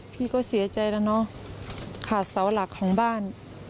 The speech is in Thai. พี่ก็เสียใจแล้วเนอะขาดเสาหลักของบ้าน